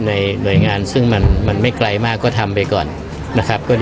หน่วยงานซึ่งมันไม่ไกลมากก็ทำไปก่อนนะครับ